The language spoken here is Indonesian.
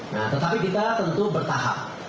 nah tetapi kita tentu bertahap